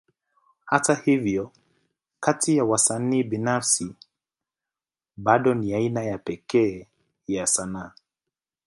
Hata hivyo, kati ya wasanii binafsi, bado ni aina ya pekee ya sanaa.